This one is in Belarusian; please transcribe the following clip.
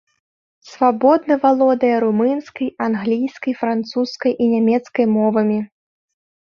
Свабодна валодае румынскай, англійскай, французскай і нямецкай мовамі.